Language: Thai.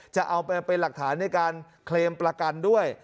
จะเอาไปเป็นหลักฐานในการเคลมประกันด้วย